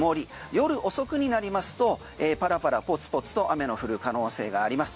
夜遅くになりますとパラパラポツポツと雨の降る可能性があります。